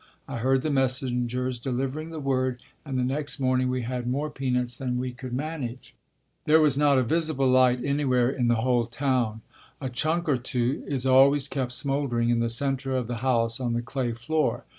I heard the messengers delivering the word and the next morning we had more peanuts than we could manage. There was not a visible light anywhere in the whole town. "A chunk or two" is always kept smouldering in the center of the house on the clay floor.